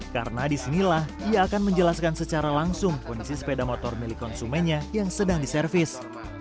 karena disinilah ia akan menjelaskan secara langsung kondisi sepeda motor milik konsumennya yang sedang diservis